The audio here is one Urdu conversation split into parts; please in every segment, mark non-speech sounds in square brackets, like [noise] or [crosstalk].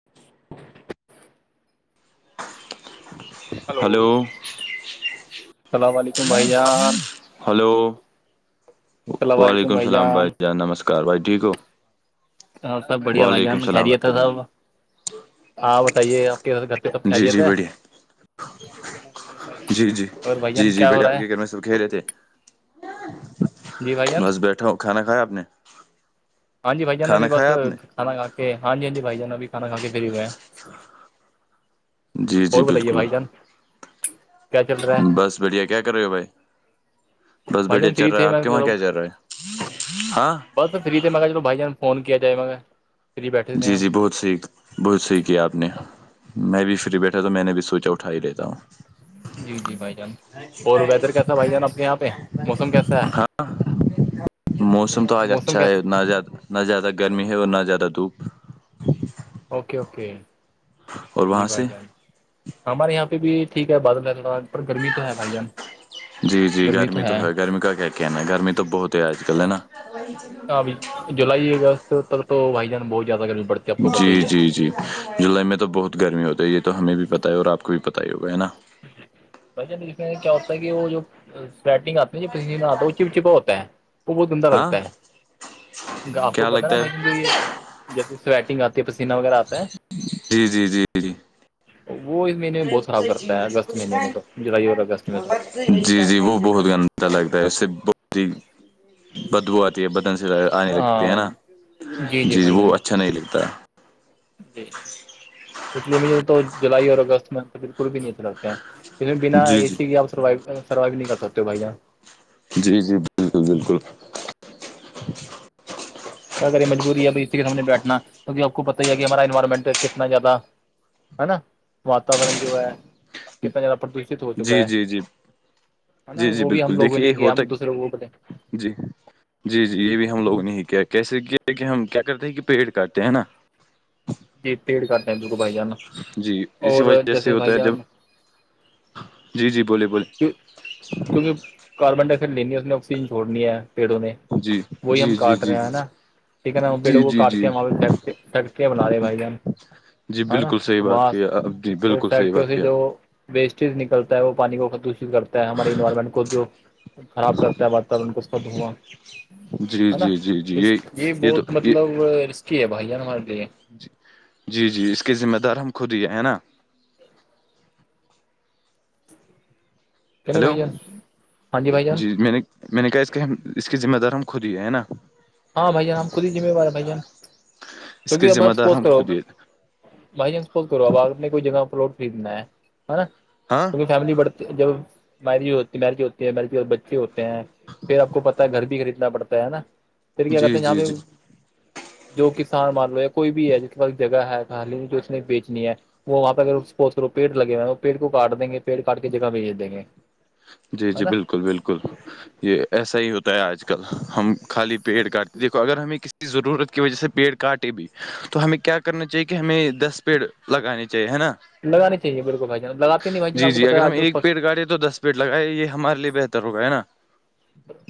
ہف ہلو اللام علیکم بھائی جان ہلو وعلیکم السلام بھائی جان نمسکار بھائی ٹھیک ہو ہاں سب بڑھیا بھائی وعلیکم جان السلام کہریا تھا بھائی سب جان ہاں بتائیے آپ کےس گھر پہ سب جی خیریت جی ہے بڑھیا کرنا جی جی اور جی بھائیین جی کیا ہو بڑھیا آپ رہا ہے کے گھر میں سب کھیلے تھے جی بھائی جان بس بیٹھا ہو کھانا کھیا آپ نے ہاں جی بھائی جانا کھانا بھی بس کھایا آپ نے کھانا کا کے ہاں جی ہاں ج بھائی جانا بھی کانا کھا کے فری ہوئے ہیں جی جی اور بتائیے بالکل بھائی جان کیا چل رہا ہے بس بڑھیا کیا کر رہے ہو بھائی بس بھائی بڑھیا جان چل فری رہا تھے ہے آپ میں کے وہاں چلو کیا چل رہا ہے ہاں بس فری سے ما چلو بائی جان فون کیا جائے ما جی جی بہت صحییک بہت صحیح کیا آپ نے میں بھی فری بیٹھا تو میں نے بھی سوچا اٹھا ہی لیتا ہوں ہاں ہاں جی جی بھائی جان اور ویدر کیسا بھائی جان آپ کے یہاں پہ موسم کیسا ہے ہاں موسم تو آج موسم اچھا ہے کیسا نہ ز نہ زیادہ گرمی ہے اور نہ زیادہ دھوپ اوکے اوکے اور جی وہاں بھائی سے جان ہمارے یہاں پہ بھی ٹھیک ہے بادل ہے تھوڑا پر گرمی تو ہے بھائی جان جی جی گرمی تو ہے گرمی کا کہ کےناا گرمی تو بہت ہے آج کل ہے نا وہ جی ابھی جولائی اگست تک تو بھائی جان بہت زیادہ گرمی پڑتی ہے آپ کو پتہ جی ہی ہے جی جی جولائی میں تو بہت گرمی ہوتی ہے یہ تو ہمیں بھی پتہ ہے اور آپ کو بھی پتہ ہی ہوگا ہے نا بھائی چل اس میں کیا ہوتا ہے کہ وہ جو گ آ پ آتا ہے وہ چپ چپا ہوتا ہے وہ بہت گندہ ہاں لگتا ہے آپ کو کیا پتہ لگتا نا بھائی ج ہے جو یہ جیسے سویٹنگ آتی ہے پسینہ وغیرہ آتا ہے جی جی جی جی وہ اس مہینے میں بہت خراب کرتا ہے اگست مہینے میں تو جولائی اور اگست میں تو جی جی وہ بہت گندا لگتا ہے اس سے بہت ہی بدبو آتی ہے آنے لگتے ہے ہاں نا جی وہ اچھا نہیں لگتا جی اس لیے مجھے تو جولائی اور اگست میں بالکل بھی نہیں چلتے ہیں اس میں بنا جی ا جی سی کی آپ سروو سروائو نہیں کر سکتے ہو بھیا جی جی بالکل بالکل اگر یہ مجبوری ہے ا اسی کے سمجھ بیٹھنا توک آپ کو پت ہی ہے کہ ہمارا انوائرمنٹ کتنا زیادہ ہے نا واتورن جو ہے کتنا زدہ پردوشت ہو چکا جی ہے جی جی ہے نا جی جی وہ بھی ہم بالکل لوگوں نے دیکھیے کیا ہوتا ہم دوسرے لوگوں کو دیں جی جی جی یہ بھی ہم لوگ نے ہی کیا کیسے کیا کہ ہم کیا کرتے ہیں کہ پیڑ کاٹتے ہیں نا جی پیڑ کاٹتے ہیں بالک بھائی جان جی اسی اور وجہ سے جیسے ہوتا بھائی ہے جب جان جی جی بولے بولے کیونکہ کاربن ڈائ آکسائڈ لینی ہے اس نے آکسیجن چھوڑنی ہے پیڑوں نے جی وہی جی ہم جی کاٹ جی رہے ہیں نا ٹھیک ہے نا ہم جی پیڑوں کو جی کاٹ کے جی ہماں پہھیک پھی کے لارے بھائی جان جی ہ بالکل صحیح ن بات بس کیا آپ جی وہ بالکل صحیح فیکٹری بات سے کیا جو آپ ویسٹیج نکلتا ہے وہ پانی کودشت کرتا ہے ہمارے انوائرمنٹ کو جو خراب کرتا ہے واتور کو خ دھواں جی ہے نا جی جی جی یہ تو بہت مطلب رسکی ہے بھائی جان ہمارے لیے جی جی جی اس کے ذمہ دار ہم خود ہی ہیں نا کہ نہیں ہیلو بھائی جان ہاں بھائی جان جی میں نے میں نے کہا اس کے ہم اس کی ذمہ دار ہم خود ہی ہے نا ہاں بھائی جان ہم خود ہی ذمہوار بھائی جان اس کے کیونکہ ذمہ بس دار بت ہم کرو خود ہی بائی چانس بول کرو اب آپ نے کوئی جگہ پ لوٹ خریدنا ہے نا ہاں کیونکہ فیملی بڑھ جب میرج ہوتی میرج ہوتی ہے م بچے ہوتے ہیں پھر آپ کو پتاہ ہے گھر بھی خریدنا پڑتا ہے نا تھر کیا جی کرتے ہیں جاں جی پہ جی جو کسان مان لو کوئی بھی ہے جت تق جگہ ہے خالی جو اس نے بیچنی ہے وہاں پہ اگر سپوز کرو پیڑ لگے ہوئے وہ پی کو کاٹ دیں گے پیڑ کاٹ کے جگہ بھیج دیں گے جی جی نا بالکل بالکل یہ ایسا ہی ہوتا ہے آج کل ہم خالی پیڑ کاٹتے دیکو اگر ہمیں کسی ک ضرورت کی وجہ سے پیڑ کاٹے بھی تو ہمیں کیا کرنا چاہیے کہ ہمیں دس پیڑ لگانے چاہیے ہے نا لگانی چاہے بالکل بھائی جان لگے ہی نہیں بھ جان آپ کو پتا آجلک گاڑی تو دس پیٹ لگائےیا یہ ہمارے لیے بہتر ہو گیا ہے نا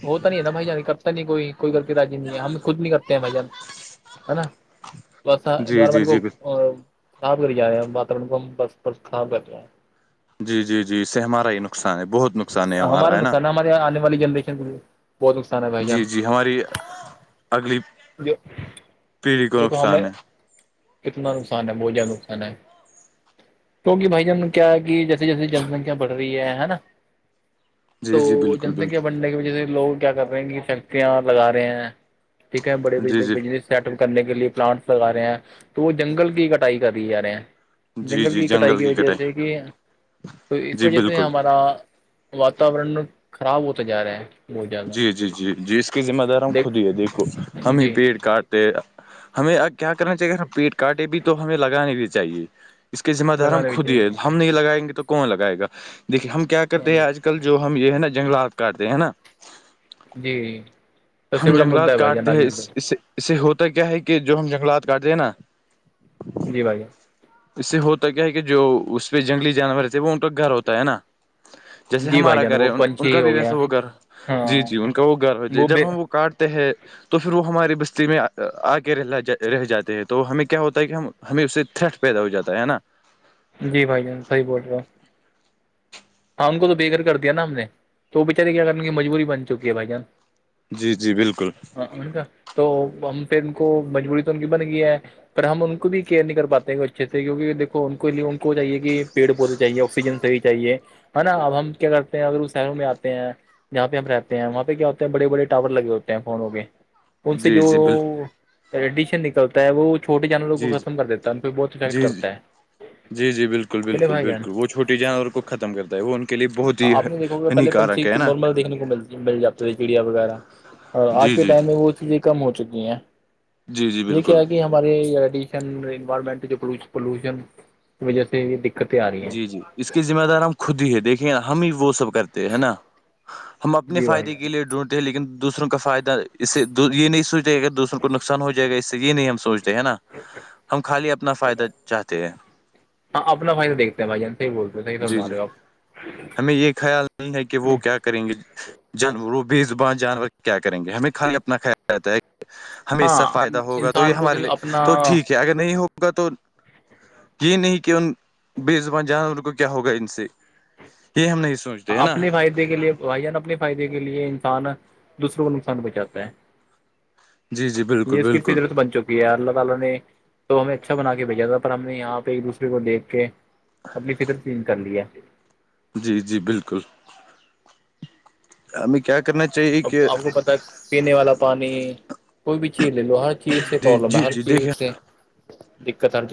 ہوتا نہیں نا بھائی جان کرتا نہیں کوئی کوئی لطی رضی نہیں ہے ہم خود نہیں کرتا بھ جان ہے نا پ جی جی اوائرمنٹ کو جی خاب کر ج ہم بات رم کو ہم بس بس خراب کر کے ہیں جی جی جی اس سے ہمارا ہی نقصان ہے بہت نقصان ہے ہمارا ہے نا نقصان ہمارے آنے والی جنریشن بہت نقصان ہے بھائی جان جی جی ہماری اگلی جو پیڑھی کو دیکھو ہمیں نقصان ہے کتنا نقصان ہے بہت جیاد نقصان ہے کیونکہ بھائی جان کیا ہے کہ جیسے جیسے جن سنکھیا بڑ رہی ہے نا جی تو جی بالکل جن سنکھیا بالکل بننے کی وجہ سے لوگ کیا کر رہے ہیں کہ فیکٹریاں لگا رہے ہیں ٹھیک ہےڑے ب جی جی بجنس سیٹ اپ کرنے کے لیے پلانٹس لگا رہے ہیں تو وہ جنگل کی کٹائی کر دیے ج رہے ہیں جنگل کی کٹائی کی وجہ سے کہ تو اس جی وجہ سے بالکل ہمارا وااتورن خراب ہوتا جا رہا ہے بہت زیادہ جی جی جی جی اس کی ذمہ دار ہم دیکھ خود ہی ہے دیکھو ہم ہی جی پیڑ کاٹ ہمیں کیا کرنا چاہیے پیٹ کاٹے بھی تو ہمیں لگانے بھی چاہیے اس کے ذمہ دار ہم لگانا بھی خود ہی چاہیے ہے ہم نہیں لگائیں گے تو کون لگائے گا دیکے ہم کیا کرتے ہیں آج کل کل جو ہم یہ ہے نا جنگلات کاٹتے ہیں ہے نا جی جی ہم جنگلات کاٹتے ہیں اس اسے اس سے ہوتا کیا ہے کہ جو ہم جنگلات کاٹتے ہیں نا جی بھائییا اس سے ہوتا کیا ہے کہ جو اس پہ جنگلی جانور تھے وہ ان کا گھر ہوتا ہے نا جیسے جی بھائی ہمارا جان گھر وہ ہے ان پنچھی کا بھی ہو گیا ویسا وہ گھر ہاں جی جی ان کا وہ گھر ہو جی وہ بے کاٹتے ہیں تو پھر وہ ہماری بستی میں آ کے رہ رہ جاتے ہیں تو ہمیں کیا ہوتا ہے کہ ہم ہمیں اس سے تھرٹ پیدا ہو جاتا ہے نا جی بھائی جان صحیح بول رہے ہاں ان کو تو بے گر کر دیا نا ہم نے تو وہ بچارے کیا کرنے کی مجبوری بن چکی ہے بھائی جان جی جی بالکل کا تو ہم پھر ان کو مجبوری تو ان کی بن گئی ہے پر ہم ان کو بھی کیئر نہیں کر پاتے ہیں اچھے سے کیونکہ دیکو انے ان کو چاہے کہ پیڑ پودے چاہیے آکسیجن سحی چاہیے ہے نا اب ہم کیا کرتے ہیں اگر وہ شہروں میں آتے ہیں جہاں پہ ہم رہتے ہیں وہاں پہ کیا ہوتے ہیں بڑے بڑے ٹاور لگے ہوتے ہیں فونوں کے ان سے جی جو جی بال رڈیشن نکلتا ہے وہ چھوٹیے جانوروں کو جی جی ختم کر دیتا ہے پھر بہت افیکٹ جی جی کرتا ہے چلے بھائی گہن چھوٹی جانور کو ختم کرتا ہے وہ ان کے لیے بہت ہاں ہی آپ نے دیکھو گے پہلےنچھی ہانیکارک ہے نا نارمل دیکھنے کو مل مل جاتے تھے چڑیا وغیرہ اور آج جی کے جی جی ٹائم میں وہ چیزیں کم ہو چکی ہیں جی جی یہ بالکل کیا کہ ہم ہمارڈیشن انوائرمنٹ پوشن کی وجہ سے دقتیں آ رہی ہیں جی جی اس کی ذمہ دار ہم خود ہی ہے دیکھے ہم ہی وہ سب کرتے ہے نا ہم اپنے جی بھائی فائدے جان کے لیے ڈھونڈتے لن دوسروں کا فائدہ اس سے یہ نہیں سوچتے اگر دوسروں کو نقصان ہو جائے گا اس سے یہ نہیں ہم سوچتے ہے نا ہم خالی اپنا فائدہ چاہتے ہیں ہاں اپنا بائین دیکتے ہیں بائیان سے ہی بولتے ہیں، صحیح جی فرما جی رہے ہو آپ ہمیں یہ خیال ہے کہ وہ کیا کریں گے جانور بیزبان جانور کیا کریں گے ہمیں کالی اپنا کھ کہتا ہے ہمیں اس سے کا ہاں فائدہ ہوگا تو یہ انسان کو ہمارے صرف لیے اپنا تو ٹھیک ہے اگر نہیں ہوگا تو یہ نہیں کہ ان بے زبان جانور کو کیا ہوگا ان سے یہ ہم نے اپنے فائدے کے لیے بھائی جان اپنے فائدے کے لیے انسان دوسروں کو نقصان پہنچاتا ہے جی جی بالکل یہ اس کی بالکل فطرت بن چکی ہے کیا اللہ تعالی نے تو ہمیں اچھا بنا کے بھیجا تھا پر ہم نے یہاں پہ ایک دوسرے کو دیکھ کے اپنی فکر چینج کر لی ہے جی جی بالکل ہم کیا کرنا چاہیے اب کہ آپ کو پتا پینے والا پانی کوئی بھی چیز لے لو ہر چیز سے جی پرابلم ہے جی ہر جی دیکھیے چیز سے دت ہ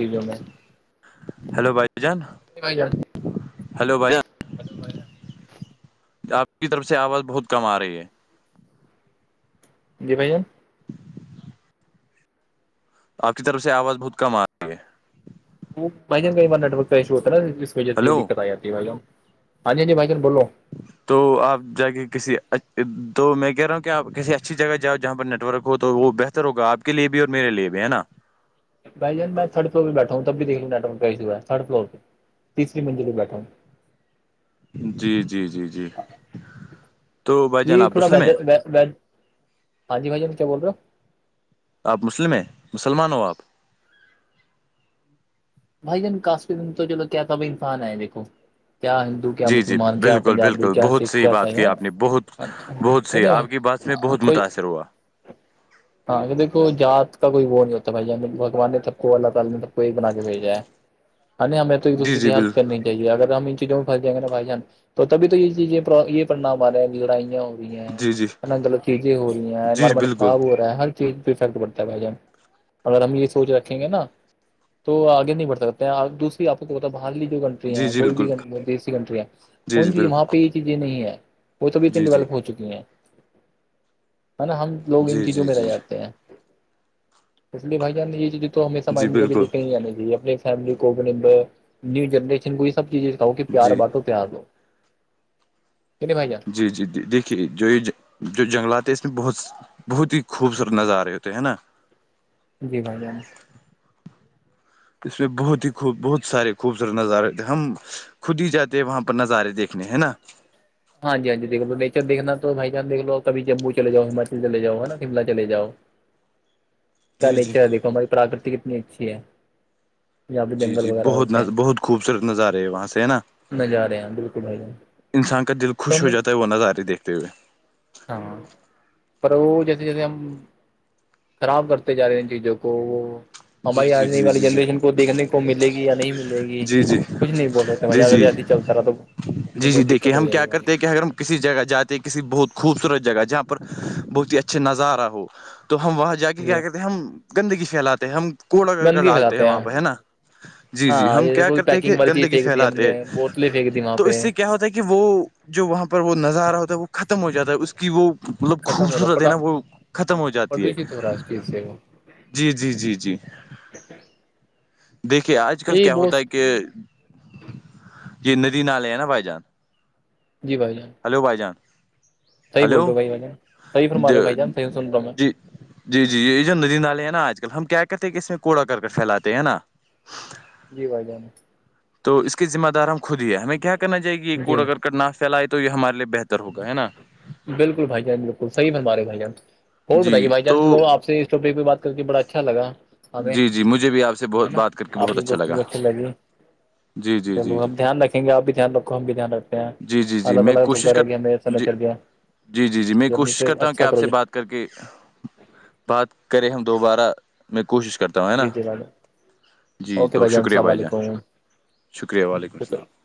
ہیلو بھائی جان بھائی جان ہلو بھائیان آپ کی طرف سے آواز بہت کم آ رہی ہے جی بھیا آپ کی طرف سے آواز بہت کم آ رہی ہے وہ بھ جان کئی باریٹ ورک کا ایشو ہوتا نا جس وجہ سے یہ ہلو دقت آ جاتی ہے بھ ہاں جی ہاں جی بھائی جان بولو تو آپ جا کے کسی تو میں کہہ رہا ہوں کہ آپ کسی اچھی جگہ جاؤ جہاں پر نیٹ ورک تو وہ بہتر ہوگا آپ کے لیے بھی اور میرے لیے بھی ہے نا بائی جان میں تھرڈ فلور پہ بیٹھ ہوں تب دیکھ ل بیٹا ہ کیسیا ہے تھر فلورہ تیسری منجے لو گاٹھں جی جی جی جی تو بھائی جان آپ مسلملم ہے و ہاں جی بھائی جی کیا بول رہے ہو آپ مسلم ہیں مسلمان ہو آپ بھائی جان کاس تو چلو کیاتابائیفان ہےیکھو کیا کیا جی جی مسلمان کیا بالکل پنجابی بالکل کیا بہت سکھ سحی کیا بات سائی کی ہے آپ نے بہت بہت سی نہیں آپ کی بات اس میں بہت کوئی متاثر ہوا [unintelligible] ہاں دیکو جات کا کوئی وہ نہیں ہوتا بھائی بگوان نے تب کو اللہ تالی نے سب کو ہی بنا کے بھ ہمیں تو ایک جی دوسرے کی جی بال ہیلپ کرنی چ اگر ہم ان چیزوں میں پھس جائ گے نا بھائی جان تو تب تو یہ چیزیں یہ پڑنا ہمارا لڑائیاں ا جی جی گغط چیزیں ہو رہی ہیں جی انوائرمنٹ بالکل خراب ہو رہا ہے ہر چیز بھیفیکٹ پڑتا ہے بھائی جان اگر ہم یہ سوچ رکھیں گے نا تو آگ نہیں بڑ سکتے ہیں اور دوسریپ کو بتا برلی جو گنٹ جی جی کوئی بھی بالکل دی کنٹری ہیں پن جی وہاں پہ یہ چیزیں نہیں ہے وہ توبھی اتنی جی جی ڈییولپ ہو چکی ہیں ہے نا ہم لوگ ان جی چیزوں جی پ رہ جی جاتے ہیں اس لیے بھائی جان نے یہ چیز تو ہمیشہ جی مائنڈ میں کبھی بالکل دیکھ نہیں جا چاہیے اپنی فیملی کور نیو جنریشن کو اس سب چیزیں سکھاؤ کہ پیار جی باتو پیار دو نہیںے بھائی جں جی جی جی دیکھیے جو یہ جو جنگلات ہے اس میں بہت بہت ہی خوبصورت نظارے ہوتے ہے نا جی بھائی جان اس میں بہت ہی خوب بہت سارے خوبصورت نظارے تھے ہم خود ہی جاتے ہیں وہاں پر نظارے دیکھنے ہے نا ہاں جی ہاں ج دیکھو تو نیچر دیکنا تو بائی چانس دیک لو کبھی جمو چے جؤ ہماچل چے جا ہے نا شملہ چلےاؤ کیا جی جی نیچر ہے دیکھو ہماری پراکرتی کتنی اچھی ہے یہاں پہ جی جنگل جی وغیرہ بہت ہوتے ہیں بہت خوبصورت نظارے ہے وہاں سے ہے نا نظارے ہیں بالکل بھائی جان انسان کا دل تو خوش ہو ہمیں جاتا ہے وہ نظارے ہی دیکھتے ہوئے ہاں پر وہ جیسے جیسے ہم خراب کرتے جا رہے ہیں ان چیزوں کو وہ جی ہماری جی آنے جی جی والی جی جنریشن کو دیکھنے کو ملے گی یا نہیں ملے گی جی جی کچھ نہیں بول تو جی میںجا اے جی ایسے چلتا رہا تو جی جی بہت دیکھیے دقت ہو ہم جائے گی کیا بھائی کرتے ہیں کہ اگر ہم کسی جگہ جاتے کسی بہت خوبصورت جگہ جہاں پر بہت ہی اچھا نظارہ ہو تو ہم وہاں جا کے جی کیا کہتے ہیں ہم گندگی پھیلاتے ہیں ہم کوڑا کر کر گندگی ڈالتے ہیں پھیلاتے وہاں پہ ہے نا جی جی ہاں ہم یہ کیا کوئی کرتے ہیں کہ پیکنگ والی چیز گندگی پھینک دی ہم پھیلاتے نے بوتلیں پھینک ہیں دی وہاں تو پہ اس سے کیا ہوتا ہے کہ وہ جو وہاں پر وہ نظارہ ہوتا ہے وہ ختم ہو جاتا ہے اس کی وہ مطلب ختم ہو رہا خوبصورت ہے پٹا نا وہ ختم ہو جاتی ہے پردوشت ہو رہا اس چیز سے وہ جی جی جی دیکھیے آج کل یہی کیا ہوتا ہے بہت کہ کہ یہ ندی نالے ہیں نا بھائی جان جی بھائی جی ہیلو بائی جان صیح بول ہلو رہے ہو بائی صحی فرم رہ ہو بھائی جان صح سن رہا ہ میں جی جی جی یہ جو ندی نالے ہیں نا آج کل ہم کیا کہتے ہیں کہ اس میں کوڑا کرک پھیلاتے ہے نا جی بھائی جانت تو اس کے ذمہ دار ہم خود ہی ہے ہمیں کیا کرنا چاہ گی یہ کوڑ جی اگر نا پھیلائے تو یہ ہمارے لی بہتر ہوگا ہے نا بالکل بھائی جان بالکل صیح بنوارے بھائی جان اور جی بتائیے بھائی تو جان چلو آپ اس پ بات کر کے بڑا اچھا لا جی جی مجھے بھی آپ سے بہت بات کر کے آپ بہت کی اچھا لگا گفتگو اچھی لگی جی جی جی جی گ آپ بھی دھیان رکھو ہم بھی دھی رکھتے ہیں جی جی جی الگ میں الگ کوشش دکر ہے کر کہ ہمیں ایسا جی چل گیا میں جی اپنے کوشش سے کرتا ہوں کہ اچھا آپ کرو سے گے بات کر کے بات کریں ہم دوبارہ میں کوشش کرتے تا ہے نا جی جی بھائی جان جی اوکے تو شکریہ السلام بھائی جان علیکم شکریہ وعلیکم شکریہ السلام